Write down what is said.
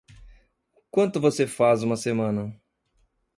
Quanto você faz uma semana?